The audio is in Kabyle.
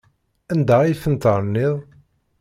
Anda ay tent-terniḍ?